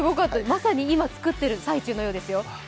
まさに今作っている最中のようですよ。